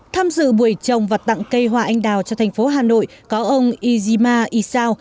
tham dự buổi trồng và tặng cây hoa anh đào cho thành phố hà nội có ông izima isao